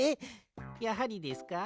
やはりですか？